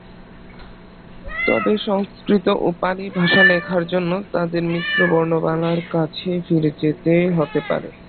তবে সংস্কৃত ও পালি ভাষা লেখার জন্য তাদের মিশ্র বর্ণমালার কাছে ফিরে যেতে হতে পারে।